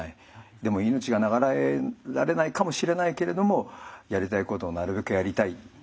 でも命が長らえられないかもしれないけれどもやりたいことをなるべくやりたい。